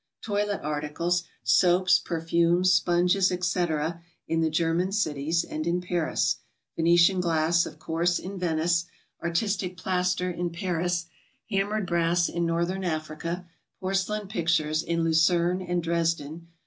Toilet articles, — soaps, perfumes, sponges, etc., — in the German cities, and in Paris. Venetian glass, of course, in Venice. Artistic plaster, in Paris. Hammered brass, in Northern Africa. Porcelain pictures, in Lucerne and Dresden.